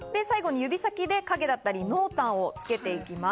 最後に指先で影だったり、濃淡をつけていきます。